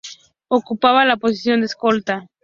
Ocupaba la posición de escolta.